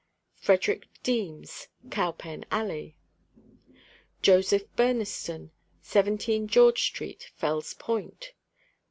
FREDERICK DEEMS, Cowpen alley. JOSEPH BURNESTON, 17 George street, Fell's Point.